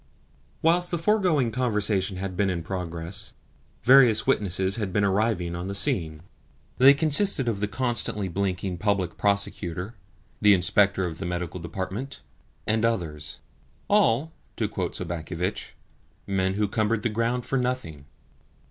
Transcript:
Whilst the foregoing conversation had been in progress, various witnesses had been arriving on the scene. They consisted of the constantly blinking Public Prosecutor, the Inspector of the Medical Department, and others all, to quote Sobakevitch, "men who cumbered the ground for nothing."